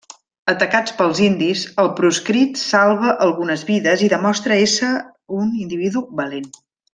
Atacats pels indis, el proscrit salva algunes vides i demostra ésser un individu valent.